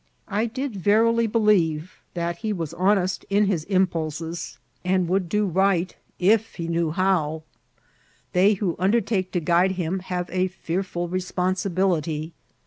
I did verily believe that he was honest in his impulses, and 806 INCIDBNTS OP TRATEL. would do right if he knew how. They who undertake to guide him have a fearful responsibility.